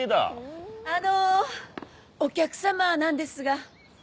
・あの！お客さまなんですが。